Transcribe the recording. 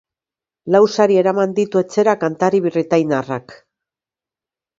Lau sari eraman ditu etxera kantari britainiarrak.